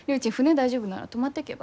大丈夫なら泊まってけば？